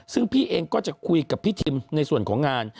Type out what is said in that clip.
ซึ่งพี่เองก็จะคุยกับพี่ทิมในส่วนของงาน